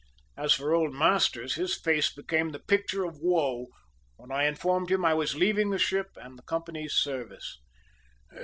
As for old Masters, his face became the picture of woe when I informed him I was leaving the ship and the company's service.